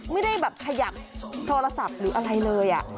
มิ่ได้แบบขยับโทรศัตริย์หรืออะไรเลยอะ